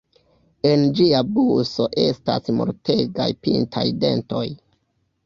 En ĝia buso estas multegaj pintaj dentoj.